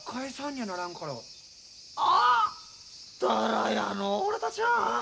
だらやのう俺たちは。